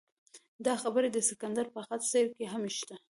دا خبرې د سکندر په خط سیر کې هم شته.